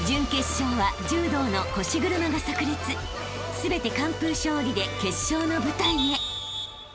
［全て完封勝利で決勝の舞台へ］